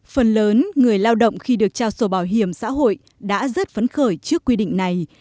phần lớn người lao động khi được trao sổ bảo hiểm xã hội đã rất phấn khởi trước quy định này